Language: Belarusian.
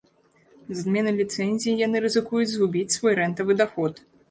З адменай ліцэнзій яны рызыкуюць згубіць свой рэнтавы даход.